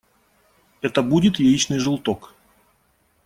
Это будет яичный желток.